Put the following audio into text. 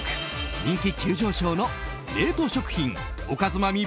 人気急上昇の冷凍食品おかづまみ